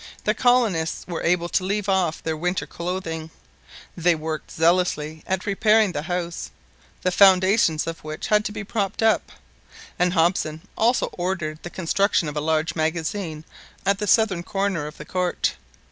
The colonists were able to leave off their winter clothing. They worked zealously at repairing the house, the foundations of which had to be propped up; and Hobson also ordered the construction of a large magazine at the southern corner of the court.